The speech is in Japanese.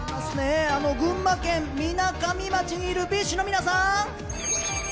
群馬県みなかみ町にいるＢｉＳＨの皆さん！